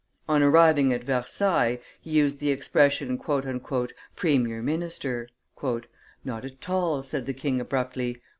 On arriving at Versailles, he used the expression, "premier minister." "Not at all," said the king abruptly.